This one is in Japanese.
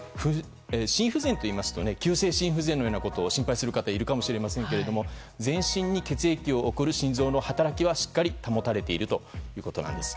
心不全といいますと急性心不全のようなことを心配される方もいるかもしれませんが全身に血液を送る心臓の働きはしっかりと保たれているということです。